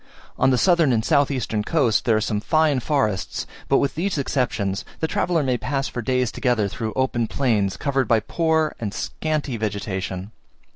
On the southern and south eastern coasts there are some fine forests, but with these exceptions, the traveller may pass for days together through open plains, covered by a poor and scanty vegetation.